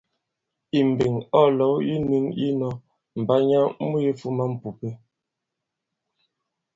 Ì mbeŋ, ɔ̌ lɔ̌w yi nĩn yī nɔ̄, Mbanya mu yifūmā m̀pùpe.